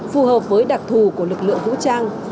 phù hợp với đặc thù của lực lượng vũ trang